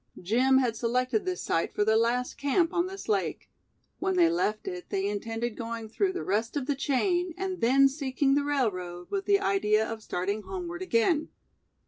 Jim had selected this site for their last camp on this lake. When they left it, they intended going through the rest of the chain, and then seeking the railroad, with the idea of starting homeward again.